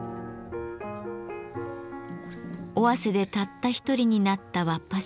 尾鷲でたった一人になったわっぱ